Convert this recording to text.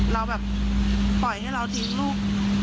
เราแบบปล่อยให้เราทิ้งลูก